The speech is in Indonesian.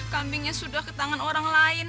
kambingnya sudah ke tangan orang lain